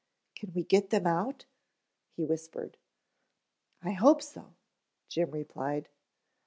"Can we get them out?" he whispered. "I hope so," Jim replied.